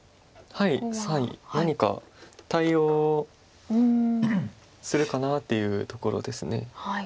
何か対応するかなっていうところです。